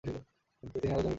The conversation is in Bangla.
তিনি আরও জমি ক্রয় করেন ।